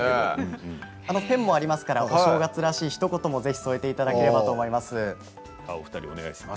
ペンもありますからお正月らしいひと言も添えていただければと思います。